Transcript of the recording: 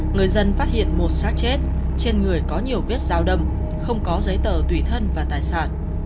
người dân phát hiện một sát chết trên người có nhiều vết dao đâm không có giấy tờ tùy thân và tài sản